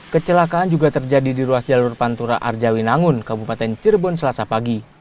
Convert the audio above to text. kecelakaan juga terjadi di ruas jalur pantura arjawi nangun kabupaten cirebon selasa pagi